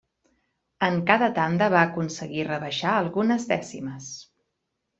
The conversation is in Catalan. En cada tanda va aconseguir rebaixar algunes dècimes.